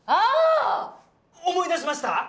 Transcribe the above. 思い出しました？